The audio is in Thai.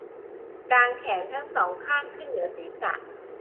กางแขนทั้ง สอง ข้างขึ้นเหนือศีรษะ